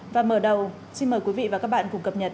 và mở đầu xin mời quý vị và các bạn cùng cập nhật